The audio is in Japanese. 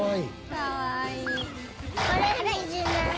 「かわいい」